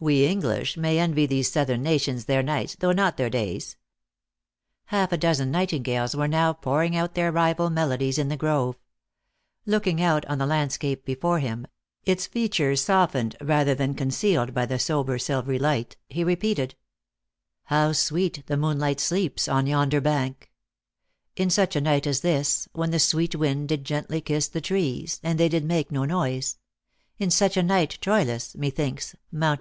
WQ English may envy these Southern nations their nights, though not their days." Haifa dozen nightingales were now pouring out their rival melodies in the grove. Looking out on the land scape before him, its features softened rather than con cealed by the sober silvery light, he repeated :" How sweet the moonlight sleeps on yonder bank, i n suc h a uight as this, When the sweet wind did gently kiss the trees, And they did make no noise in such a night Troilus, methinks, mounte ..